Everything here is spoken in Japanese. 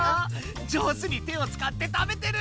上手に手を使って食べてる！